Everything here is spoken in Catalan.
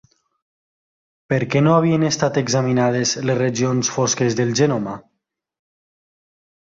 Per què no havien estat examinades les regions fosques del genoma?